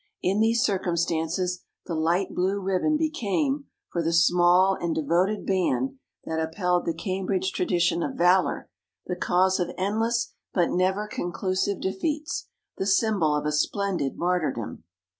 In these cir cumstances, the light blue ribbon became, for the small and devoted band that upheld the Cambridge tradition of valour, the cause of endless but never conclusive defeats, the symbol of a splendid martyrdom.